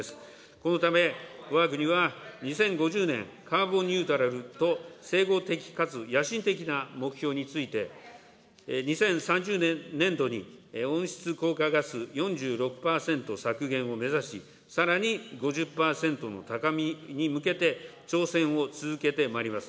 このため、わが国は２０５０年、カーボンニュートラルと整合的かつ野心的な目標について、２０３０年度に温室効果ガス４６％削減を目指し、さらに５０％の高みに向けて、挑戦を続けてまいります。